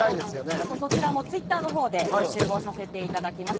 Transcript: そちらもツイッターのほうで募集をさせていただきます。